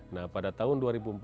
nah pada tahun dua ribu empat belas